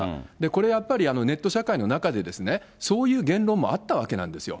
これやっぱり、ネット社会の中で、そういう言論もあったわけなんですよ。